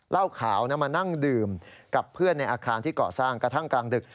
เหล้าขาวมานั่งดื่มกับเพื่อนในอาคารที่ก่อสร้างกระทั่งกลางดึก